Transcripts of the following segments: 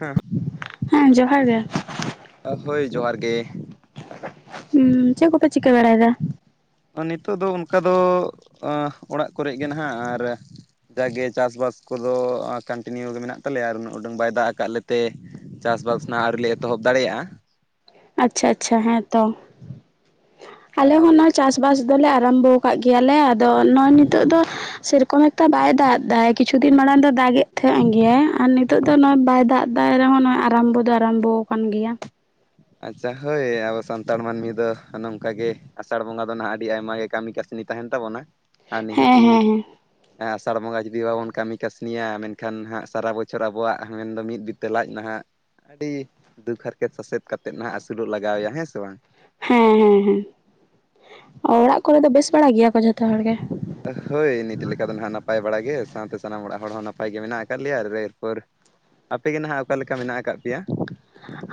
ᱦᱮᱸ ᱦᱮᱸ ᱡᱚᱦᱟᱨ ᱜᱮ᱾ ᱟᱸ ᱵᱷᱟᱹᱭ ᱡᱚᱦᱟᱨ ᱜᱮ᱾ ᱦᱩᱸ ᱪᱮᱜ ᱠᱚᱯᱮ ᱪᱤᱠᱟᱹ ᱵᱟᱲᱟᱭᱮᱫᱟ? ᱱᱤᱛᱚᱜ ᱫᱚ ᱚᱱᱠᱟ ᱫᱚ ᱚᱲᱟᱜ ᱠᱚᱨᱮᱜ ᱜᱮ ᱱᱟᱦᱟᱜ ᱟᱨ ᱡᱟᱜᱮ ᱪᱟᱥᱵᱟᱥ ᱠᱚᱫᱚ ᱟ ᱠᱟᱱᱴᱤᱱᱤᱭᱩ ᱜᱮ ᱢᱮᱱᱟᱜ ᱛᱟᱞᱮᱭᱟ ᱟᱨ ᱩᱱᱟᱹᱜ ᱩᱰᱟᱹᱝ ᱵᱟᱭ ᱫᱟᱜ ᱟᱠᱟᱜ ᱞᱮ ᱛᱮ ᱪᱟᱥᱵᱟᱥ ᱱᱟ ᱟᱹᱣᱨᱤ ᱞᱮ ᱮᱛᱚᱦᱚᱵ ᱫᱟᱲᱮᱭᱟᱜᱼᱟ᱾ ᱟᱪᱪᱷᱟ ᱟᱪᱪᱷᱟ ᱦᱮᱸᱛᱚ ᱟᱞᱮ ᱟᱨ ᱦᱚᱸ ᱱᱚᱜᱚᱭ ᱪᱟᱥ ᱪᱟᱥᱵᱟᱥ ᱫᱚᱞᱮ ᱟᱨᱟᱢᱵᱚ ᱠᱟᱜ ᱜᱮᱭᱟᱞᱮ ᱟᱫᱚ ᱱᱚᱜᱚᱭ ᱱᱤᱛᱚᱜ ᱫᱚ ᱥᱮᱨᱚᱠᱚᱢ ᱮᱠᱴᱟ ᱵᱟᱭ ᱫᱟᱜ ᱮᱫᱟᱭ ᱠᱤᱪᱷᱩ ᱫᱤᱱ ᱢᱟᱲᱟᱝ ᱫᱚ ᱫᱟᱜ ᱜᱮᱜ ᱛᱟᱦᱮᱸᱜ ᱜᱮ ᱟᱨ ᱱᱤ ᱱᱤᱛᱚᱜ ᱫᱚ ᱱᱚᱜᱚᱭ ᱵᱟᱭ ᱫᱟᱜ ᱮᱫᱟ ᱨᱮᱦᱚᱸ ᱱᱚᱜᱚᱭ ᱟᱨᱟᱢᱵᱚ ᱫᱚ ᱟᱨᱟᱢᱵᱚ ᱟᱠᱟᱱ ᱜᱮᱭᱟ᱾ ᱟᱪᱪᱷᱟ ᱦᱳᱭ ᱟᱵᱚ ᱥᱟᱱᱛᱟᱲ ᱢᱟᱹᱱᱢᱤ ᱫᱚ ᱱᱚᱝᱠᱟ ᱜᱮ ᱟᱥᱟᱲ ᱵᱚᱸᱜᱟ ᱫᱚ ᱱᱟ ᱟᱹᱰᱤ ᱟᱭᱢᱟ ᱜᱮ ᱠᱟᱹᱢᱤ ᱠᱟᱹᱥᱱᱤ ᱛᱟᱦᱮᱱ ᱛᱟᱵᱚᱱᱟ ᱟᱨ ᱦᱮᱸ ᱱᱤᱦᱟᱹᱛᱤ ᱦᱮᱸ ᱦᱮᱸ ᱟᱥᱟᱲ ᱵᱚᱸᱜᱟ ᱡᱩᱫᱤ ᱵᱟᱵᱚᱱ ᱠᱟᱹᱢᱤ ᱠᱟᱹᱥᱱᱤᱭᱟ ᱢᱮᱱᱠᱷᱟᱱ ᱦᱟᱸᱜ ᱥᱟᱨᱟ ᱵᱚᱪᱷᱚᱨ ᱟᱵᱚᱣᱟᱜ ᱢᱮᱱᱫᱚ ᱢᱤᱫ ᱵᱤᱛᱟᱹ ᱞᱟᱡ ᱱᱟᱦᱟᱜ ᱟᱹᱰᱤ ᱫᱩᱠ ᱦᱟᱨᱠᱮᱛ ᱥᱟᱥᱮᱛ ᱠᱟᱛᱮᱜ ᱱᱟᱦᱟᱜ ᱟᱹᱥᱩᱞᱚᱜ ᱞᱟᱜᱟᱣ ᱮᱭᱟ ᱦᱮᱸ ᱥᱮ ᱵᱟᱝ? ᱦᱮᱸ ᱦᱮᱸ ᱦᱮᱸ ᱚᱲᱟᱜ ᱠᱚᱨᱮ ᱫᱚ ᱵᱮᱥ ᱵᱟᱲᱟ ᱜᱮᱭᱟ ᱠᱚ ᱡᱷᱚᱛᱚ ᱦᱚᱲ ᱜᱮ? ᱦᱳᱭ ᱱᱤᱛ ᱞᱮᱠᱟ ᱫᱚ ᱱᱟᱦᱜ ᱱᱟᱯᱟᱭ ᱵᱟᱲᱟ ᱜᱮ ᱥᱟᱶᱛᱮ ᱥᱟᱱᱟᱢ ᱚᱲᱟᱜ ᱦᱚᱲ ᱦᱚᱸ ᱱᱟᱯᱟᱭ ᱜᱮ ᱢᱮᱱᱟᱜ ᱟᱠᱟᱜ ᱞᱮᱭᱟ ᱟᱨ ᱨᱮᱱᱯᱟᱹᱨ ᱟᱯᱮᱜ ᱜᱮ ᱱᱟᱦᱟᱜ ᱚᱠᱟ ᱞᱮᱠᱟ ᱢᱮᱱᱟᱜ ᱟᱠᱟᱫ ᱯᱮᱭᱟ?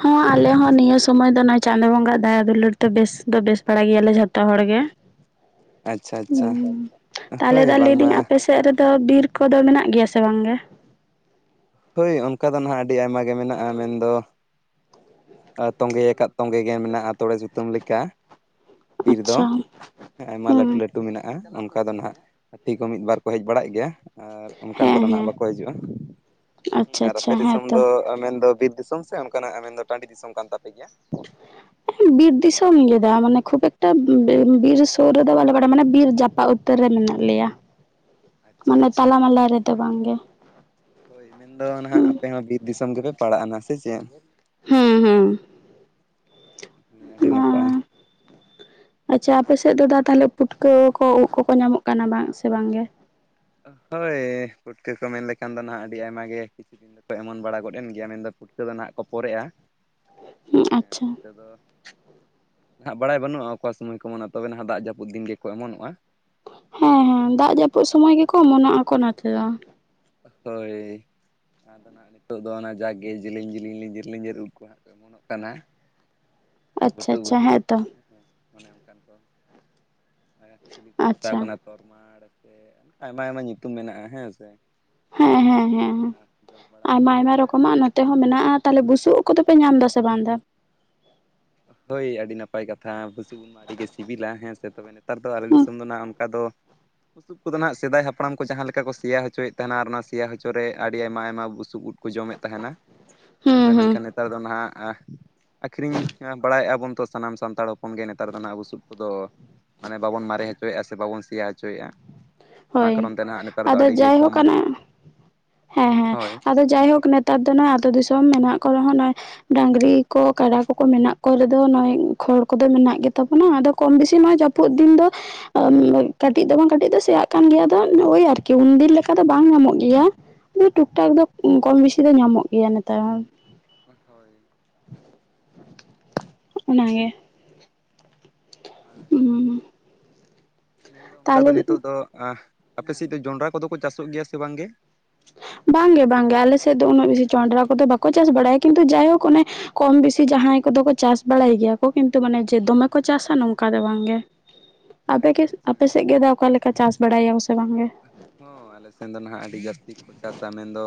ᱦᱚᱸ ᱟᱞᱮ ᱦᱚᱸ ᱱᱤᱭᱟᱹ ᱥᱚᱢᱚᱭ ᱫᱚ ᱱᱚᱜ ᱪᱟᱸᱫᱳ ᱵᱚᱸᱜᱟ ᱟᱜ ᱫᱟᱭᱟ ᱫᱩᱞᱟᱹᱲ ᱫᱚ ᱵᱮᱥ ᱫᱚ ᱵᱮᱥ ᱵᱟᱲᱟ ᱜᱮᱭᱟᱞᱮ ᱡᱷᱚᱛᱚ ᱦᱚᱲ ᱜᱮ᱾ ᱟᱪᱪᱷᱟ ᱟᱪᱪᱷᱟ ᱦᱩᱸ ᱛᱟᱦᱞᱮ ᱦᱳᱭ ᱫᱟ ᱞᱟᱹᱭᱫᱟᱹᱧ ᱵᱟᱝᱢᱟ ᱟᱯᱮ ᱥᱮ ᱥᱮᱜ ᱨᱮᱫᱚ ᱵᱤᱨ ᱠᱚᱫᱚ ᱢᱮᱱᱟᱜ ᱜᱮᱭᱟ ᱥᱮ ᱵᱟᱝ ᱜᱮ? ᱦᱳᱭ ᱚᱱᱠᱟ ᱫᱚ ᱱᱟᱦᱟᱜ ᱟᱹᱰᱤ ᱟᱭᱢᱟ ᱜᱮ ᱢᱮᱱᱟᱜ-ᱟ ᱢᱮᱱᱫᱚ ᱛᱟ ᱛᱚᱸᱜᱮ ᱭᱟᱠᱟᱜ ᱛᱚᱸᱜᱮ ᱜᱮ ᱢᱮᱱᱟᱜᱼᱟ ᱛᱚᱲᱮ ᱥᱩᱛᱟᱹᱢ ᱞᱮᱠᱟ᱾ ᱵᱤᱨ ᱫᱚ ᱟᱪᱪᱷᱟ ᱟᱭᱢᱟ ᱞᱟᱹᱴᱩ ᱦᱩᱸ ᱞᱟᱹᱴ ᱟᱹᱛᱩ ᱢᱮᱱᱟᱜᱼᱟ ᱚᱱᱠᱟ ᱫᱚ ᱱᱟᱦᱟᱜ ᱦᱟᱹᱛᱤ ᱠᱚ ᱢᱤᱫ ᱵᱟᱨ ᱠᱚ ᱦᱮᱡ ᱵᱟᱲᱟᱜ ᱜᱮᱭᱟ᱾ ᱟᱨ ᱚᱱᱠᱟᱱ ᱦᱮᱸ ᱠᱚᱫᱚ ᱦᱮᱸ ᱱᱟᱦᱟᱜ ᱵᱟᱠᱚ ᱦᱤᱡᱩᱜᱼᱟ᱾ ᱟᱪᱪᱷᱟ ᱟᱨ ᱟᱪᱪᱷᱟ ᱟᱯᱮ ᱫᱤᱥᱚᱢ ᱦᱮᱸᱛᱚ ᱫᱚ ᱢᱮᱱᱫᱚ ᱵᱤᱨ ᱫᱤᱥᱚᱢ ᱥᱮ ᱚᱱᱠᱟᱱᱟᱜ ᱢᱮᱱᱫᱚ ᱴᱟᱺᱰᱤ ᱫᱤᱥᱚᱢ ᱠᱟᱱ ᱛᱟᱯᱮ ᱜᱮᱭᱟ? ᱵᱤᱨ ᱫᱤᱥᱚᱢ ᱜᱮ ᱫᱟᱜ ᱢᱟᱱᱮ ᱠᱷᱩᱵ ᱮᱠᱴᱟ ᱵᱮ ᱵᱤᱨ ᱥᱳᱨ ᱨᱮ ᱫᱚ ᱵᱟᱞᱮ ᱵᱟᱲᱟ ᱢᱟᱱᱮ ᱵᱤᱨ ᱡᱟᱯᱟᱜ ᱩᱛ ᱛᱟᱹᱨ ᱨᱮ ᱢᱮᱱᱟᱜ ᱞᱮᱭᱟ ᱟᱪᱪᱷᱟ ᱢᱟᱱᱮ ᱟᱪᱪᱷᱟ ᱛᱟᱞᱟ ᱢᱟᱞᱟ ᱨᱮᱫᱚ ᱵᱟᱝᱜᱮ᱾ ᱢᱮᱱᱫᱚ ᱱᱟᱦᱟᱜ ᱦᱩᱸ ᱟᱯᱮ ᱦᱚᱸ ᱵᱤᱨ ᱫᱤᱥᱚᱢ ᱜᱮᱯᱮ ᱯᱟᱲᱟᱜᱼᱟ ᱱᱟ ᱥᱮ ᱪᱮᱫ? ᱦᱩᱸ ᱟᱹᱰᱤ ᱱᱟᱯᱟᱭ᱾ [inaudible] ᱟᱪᱪᱷᱟ ᱟᱯᱮ ᱥᱮᱜ ᱫᱚ ᱫᱟ ᱛᱟᱦᱚᱞᱮ ᱯᱩᱴᱠᱟᱹ ᱠᱚ ᱩᱜ ᱠᱚᱠᱚ ᱧᱟᱢᱚᱜ ᱠᱟᱱᱟ ᱵᱟᱝ ᱥᱮ ᱵᱟᱝ ᱜᱮ? ᱯᱟᱞᱮ ᱯᱩᱴᱠᱟᱹ ᱠᱚ ᱢᱮᱱ ᱞᱮᱠᱷᱟᱱ ᱫᱚ ᱱᱟᱦᱟᱜ ᱟᱹᱰᱤ ᱟᱭᱢᱟ ᱜᱮ ᱯᱮ ᱮᱢᱚᱱ ᱵᱟᱲᱟ ᱜᱚᱫ ᱮᱱ ᱜᱮᱭᱟ ᱢᱮᱱᱫᱚ ᱯᱩᱴᱠᱟᱹ ᱫᱚ ᱱᱟᱦᱟᱜ ᱠᱚ ᱯᱚᱨᱮᱜ-ᱟ᱾ ᱦᱩᱸ ᱟᱪᱪᱷᱟ [inaudible] ᱱᱟᱸᱜ ᱵᱟᱲᱟᱭ ᱵᱟᱹᱱᱩᱜ-ᱟ ᱚᱠᱟ ᱥᱮᱱ ᱜᱮᱠᱚ ᱚᱢᱚᱱᱚᱜ-ᱟ ᱛᱚᱵᱮ ᱱᱟᱦᱟᱜ ᱫᱟᱜ ᱡᱟᱹᱯᱩᱫ ᱫᱤᱱ ᱜᱮᱠᱚ ᱮᱢᱚᱱᱚᱜᱼᱟ᱾ ᱦᱮᱸ ᱦᱮᱸ ᱫᱟᱜ ᱡᱟᱹᱯᱩᱜ ᱥᱚᱢᱚᱭ ᱜᱮᱠᱚ ᱚᱢᱚᱱᱚᱜ ᱟᱠᱚ ᱱᱟᱛᱮ ᱫᱚ᱾ ᱦᱳᱭ᱾ ᱱᱟᱦᱟᱜ ᱫᱚ ᱚᱱᱟ ᱡᱟᱜᱮ ᱡᱮᱞᱮᱧ ᱡᱮᱞᱮᱧ ᱞᱮᱡᱮᱨ ᱞᱤᱡᱤᱨ ᱩᱫ [unintelligible] ᱠᱟᱱᱟ᱾ [inaudible] ᱟᱨ ᱟᱪᱪᱷᱟ ᱟᱪᱪᱷᱟ ᱦᱮᱸᱛᱚ ᱪᱤᱞᱤ ᱠᱚ ᱢᱮᱛᱟ ᱠᱚ ᱟᱪᱪᱷᱟ ᱠᱟᱱᱟ ᱛᱚᱨᱢᱟᱲ ᱥᱮ ᱟᱭᱢᱟ ᱟᱭᱢᱟ ᱧᱩᱛᱩᱢ ᱢᱮᱱᱟᱜᱼᱟ ᱦᱮᱸ ᱥᱮ? ᱦᱮᱸ ᱦᱮᱸ ᱦᱮᱸ᱾ ᱦᱮᱸ ᱡᱚᱢ ᱵᱟᱲᱟ ᱟᱭᱢᱟ ᱦᱩᱭᱩᱜ ᱠᱟᱱ ᱟᱭᱢᱟ ᱜᱮᱭᱟ᱾ ᱨᱚᱠᱚᱢᱟᱜ ᱱᱚᱛᱮ ᱦᱚᱸ ᱢᱮᱱᱟᱜᱼᱟ ᱛᱟᱦᱚᱞᱮ ᱵᱩᱥᱩᱵ ᱳᱫᱽ ᱠᱚᱫᱚᱯᱮ ᱧᱟᱢ ᱮᱫᱟ ᱥᱮ ᱵᱟᱝ ᱮᱫᱟ? ᱦᱳᱭ ᱟᱹᱰᱤ ᱱᱟᱯᱟᱭ ᱠᱟᱛᱷᱟ ᱵᱩᱥᱩᱵ ᱳᱫᱽ ᱢᱟ ᱟᱹᱰᱤ ᱜᱮ ᱥᱤᱵᱤᱞᱟ ᱦᱮᱸ ᱥᱮ ᱛᱚᱵᱮ ᱱᱮ ᱱᱮᱛᱟᱨ ᱫᱚ ᱟᱞᱮ ᱦᱩᱸ ᱫᱤᱥᱚᱢ ᱫᱚ ᱱᱟᱜ ᱚᱱᱠᱟ ᱫᱚ, ᱵᱩᱥᱩᱵ ᱠᱚᱫᱚ ᱱᱟᱦᱟᱜ ᱥᱮᱫᱟᱭ ᱦᱟᱯᱲᱟᱢ ᱠᱚ ᱡᱟᱦᱟᱸ ᱞᱮᱠᱟ ᱠᱚ ᱥᱮᱭᱟ ᱦᱚᱪᱚᱭᱮᱫ ᱛᱟᱦᱮᱱᱟ ᱚᱱᱟ ᱥᱮᱸᱭᱟ ᱦᱚᱪᱚ ᱨᱮ ᱟᱹᱰᱤ ᱟᱭᱢᱟ ᱟᱭᱢᱟ ᱵᱩᱥᱩᱵ ᱳᱫᱽ, ᱠᱚ ᱡᱚᱢᱮᱫ ᱛᱟᱦᱮᱱᱟ᱾ [unintelligible] ᱦᱮᱸ ᱥᱮ ᱦᱩᱸ ᱢᱮᱱᱠᱷᱟᱱ ᱱᱮᱛᱟᱨ ᱫᱚ ᱱᱟᱦᱟᱜ ᱟᱹᱠᱷᱨᱤᱧ ᱦᱮᱸ ᱵᱟᱲᱟᱭᱼᱟ ᱵᱚᱱ ᱛᱚ ᱥᱟᱱᱟᱢ ᱥᱟᱱᱛᱟᱲ ᱦᱚᱯᱚᱱ ᱜᱮ ᱱᱮᱛᱟᱨ ᱫᱚ ᱦᱟᱸᱜ ᱵᱩᱥᱩᱵ ᱠᱚᱫᱚ᱾ ᱢᱟᱱᱮ ᱵᱟᱵᱚᱱ ᱢᱟᱨᱮ ᱦᱚᱪᱚᱭᱮᱫᱼᱟ ᱥᱮ ᱵᱟᱵᱚᱱ ᱥᱮᱭᱟ ᱦᱚᱪᱚᱭᱮᱫᱼᱟ᱾ ᱚᱱᱟ ᱦᱳᱭ ᱠᱟᱨᱚᱱ ᱛᱮ ᱱᱟᱦᱟᱜ ᱱᱮᱛᱟᱨ ᱫᱚ ᱟᱫᱚ ᱟᱹᱰᱤ ᱜᱮ ᱡᱟᱭᱦᱳ ᱠᱚᱢ ᱚᱱᱟ ᱦᱮᱸ ᱦᱮᱸ ᱦᱳᱭ ᱟᱫᱚ, ᱡᱟᱭᱦᱳᱠ ᱱᱮᱛᱟᱨ ᱫᱚ ᱱᱚᱜᱚᱭ ᱟᱛᱳ ᱫᱤᱥᱚᱢ ᱢᱮᱱᱟᱜ ᱠᱚ ᱨᱮᱦᱚᱸ ᱱᱚᱜᱚᱭ, ᱰᱟᱝᱨᱤ ᱠᱚ ᱠᱟᱰᱟ ᱠᱚᱠᱚ ᱢᱮᱱᱟᱜ ᱠᱚᱨᱫᱚ ᱱᱚᱜᱚᱭ ᱠᱷᱚᱲ ᱠᱚᱫᱚ ᱢᱮᱱᱟᱜ ᱜᱮᱛᱟᱵᱚᱱᱟ ᱟᱫᱚ, ᱠᱚᱢ ᱵᱤᱥᱤ ᱱᱚᱣᱟ ᱡᱟᱹᱯᱩᱫ ᱫᱤᱱ ᱫᱚ ᱠᱟᱹᱴᱤᱡ ᱫᱚ ᱵᱟᱝ ᱠᱟᱹᱴᱤᱡ ᱫᱚ ᱥᱮᱭᱟᱜ ᱠᱟᱱ ᱜᱮᱭᱟ ᱟᱫᱚ ᱳᱭ ᱟᱨᱠᱤ ᱩᱱᱫᱤᱱ ᱞᱮᱠᱟ ᱫᱚ ᱵᱟᱝ ᱧᱟᱢᱚᱜ ᱜᱮᱭᱟ᱾ ᱴᱩᱠ ᱴᱟᱠ ᱫᱚ ᱠᱚᱢ ᱵᱮᱥᱤ ᱫᱚ ᱧᱟᱢᱚᱜ ᱜᱮᱭᱟ ᱱᱮᱛᱟᱨ ᱦᱚᱸ, ᱦᱳᱭ᱾ ᱚᱱᱟᱜᱮ, ᱟᱨ ᱢᱮᱱᱫᱚ ᱚᱱᱠᱟ ᱫᱚ ᱛᱟᱦᱚᱞᱮ ᱱᱤᱛᱚᱜ ᱫᱚ, ᱟᱯᱮᱥᱮᱫ ᱫᱚ ᱡᱚᱱᱰᱨᱟ ᱠᱚᱫᱚ ᱠᱚ ᱪᱟᱥᱚᱜ ᱜᱮᱭᱟ ᱥᱮ ᱵᱟᱝᱜᱮ? ᱵᱟᱝᱜᱮ ᱵᱟᱝᱜᱮ ᱟᱞᱮ ᱥᱮᱫ ᱫᱚ ᱩᱱᱟᱹᱜ ᱵᱮᱥᱤ ᱡᱚᱱᱰᱨᱟ ᱠᱚᱫᱚ ᱵᱟᱠᱚ ᱪᱟᱥ ᱵᱟᱲᱟᱭᱟ ᱠᱤᱱᱛᱩ ᱡᱟᱭᱦᱳᱠ ᱚᱱᱮ ᱠᱚᱢ ᱵᱮᱥᱤ ᱡᱟᱦᱟᱸᱭ ᱠᱚᱫᱚ ᱠᱚ ᱪᱟᱥ ᱵᱟᱲᱟᱭ ᱜᱮᱭᱟ ᱠᱚ ᱠᱤᱱᱛᱩ ᱢᱟᱱᱮ ᱡᱮ ᱫᱚᱢᱮ ᱠᱚ ᱪᱟᱥᱟ ᱱᱚᱝᱠᱟ ᱫᱚ ᱵᱟᱝᱜᱮ᱾ ᱟᱯᱮ ᱠᱮ ᱟᱪᱪᱷᱟ ᱟᱪᱪᱷᱟ ᱟᱯᱮ ᱥᱮᱫ ᱜᱮ ᱚᱠᱟᱞᱮᱠᱟ ᱪᱟᱥ ᱵᱟᱲᱟᱭᱟ ᱥᱮ ᱵᱟᱝᱜᱮ? ᱦᱚᱸ ᱟᱞᱮ ᱥᱮᱱ ᱫᱚ ᱱᱟᱦᱟᱸᱜ ᱟᱹᱰᱤ ᱡᱟᱹᱥᱛᱤ ᱠᱚ ᱪᱟᱥᱟ ᱢᱮᱱᱫᱚ